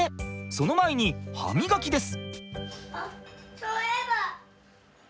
その前に歯磨きです。